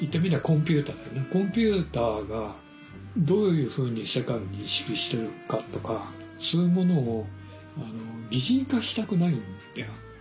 コンピューターがどういうふうに世界を認識しているかとかそういうものを擬人化したくないんだよ。